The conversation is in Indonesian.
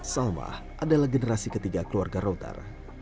salmah adalah generasi ketiga keluarga rautar